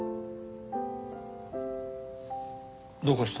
どうかした？